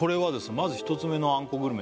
まず１つ目のあんこグルメ